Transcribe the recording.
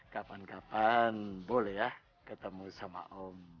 kapan kapan boleh ya ketemu sama om